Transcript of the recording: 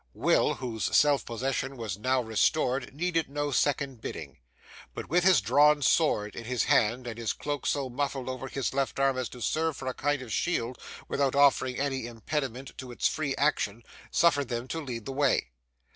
Will, whose self possession was now quite restored, needed no second bidding, but with his drawn sword in his hand, and his cloak so muffled over his left arm as to serve for a kind of shield without offering any impediment to its free action, suffered them to lead the way.